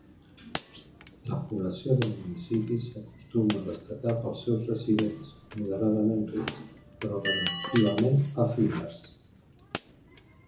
La població del municipi s'acostuma a destacar pels seus residents moderadament rics, però relativament efímers.